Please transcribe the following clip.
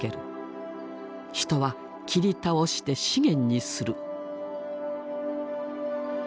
人は切り倒して資源にする。